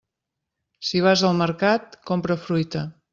Si vas al mercat, compra fruita.